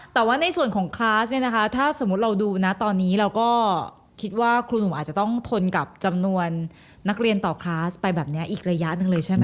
แต่ว่าในส่วนของคลาสเนี่ยนะคะถ้าสมมุติเราดูนะตอนนี้เราก็คิดว่าครูหนุ่มอาจจะต้องทนกับจำนวนนักเรียนต่อคลาสไปแบบนี้อีกระยะหนึ่งเลยใช่ไหม